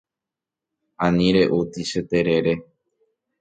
Ani re'úti che terere.